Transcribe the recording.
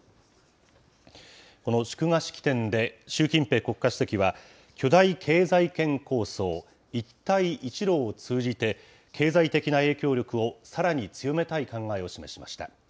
この祝賀式典で習近平国家主席は、巨大経済圏構想、一帯一路を通じて、経済的な影響力をさらに強めたい考えを示しました。